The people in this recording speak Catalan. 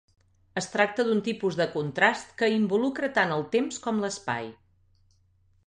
Es tracta d'un tipus de contrast que involucra tant el temps com l'espai.